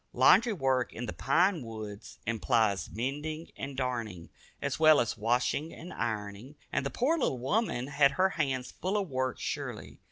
Laundry work in the pine woods implies mending and darning, as well as washing and ironing, and the poor little woman had her hands full of work surely.